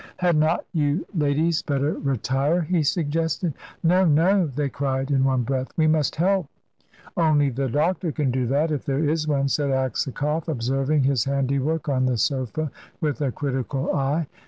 "Had not you ladies better retire?" he suggested. "No, no!" they cried in one breath. "We must help." "Only the doctor can do that if there is one," said Aksakoff, observing his handiwork on the sofa with a critical eye.